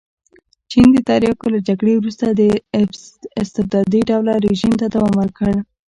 چین د تریاکو له جګړې وروسته استبدادي ډوله رژیم ته دوام ورکړ.